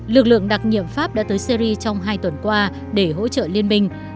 lực lượng đặc nhiệm pháp đã tới syri trong hai tuần qua để hỗ trợ liên minh